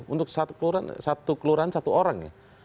untuk satu kelurahan satu orang